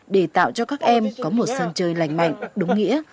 để tạo cho các em có một sân chơi lành mạnh đúng nghĩa